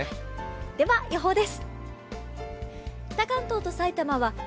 では、予報です。